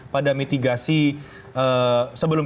pada mitigasi sebelum